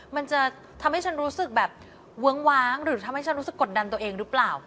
มันจะทำให้ฉันรู้สึกแบบเวิ้งว้างหรือทำให้ฉันรู้สึกกดดันตัวเองหรือเปล่า